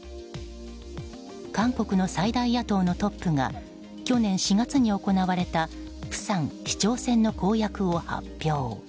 韓国の最大野党のトップが去年４月に行われたプサン市長選の公約を発表。